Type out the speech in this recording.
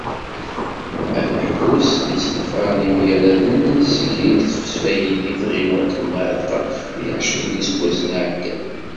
Aneḥbus n yisenfaren yemgaraden, seg i d-sfaydi tɣiwant n Mεetqa, deg εecrin n yiseggasen iεeddan.